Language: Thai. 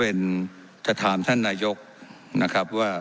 ครับอันนี้ก็เป็นจะถามท่านนายกนะครับว่า